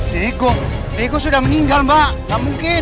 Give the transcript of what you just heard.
diego diego sudah meninggal mbak gak mungkin